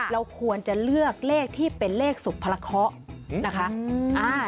เราควรจะเลือกเลขที่เป็นเลขสุพรเคาะนะคะ